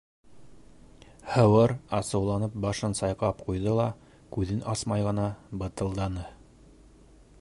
Һыуыр, асыуланып, башын сайҡап ҡуйҙы ла, күҙен асмай ғына бытылданы: